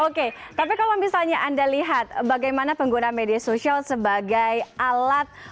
oke tapi kalau misalnya anda lihat bagaimana pengguna media sosial sebagai alat